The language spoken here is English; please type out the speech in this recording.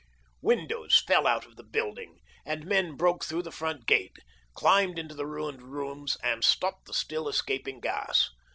Windows fell out of the building, and men broke through the front gate, climbed into the ruined rooms and stopped the still escaping gas.